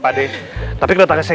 pade tapi kalau saya